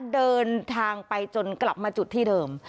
เดินทางไปจนกลับมาจุดที่เดิม